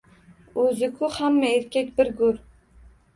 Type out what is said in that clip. O`zi-ku, hamma erkak bir go`r